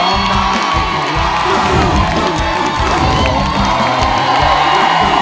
สวัสดีครับคุณผู้ชมที่